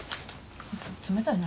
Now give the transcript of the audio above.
冷たいな。